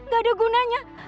gak ada gunanya